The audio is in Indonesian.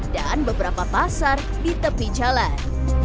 dan beberapa pasar di tepi jalan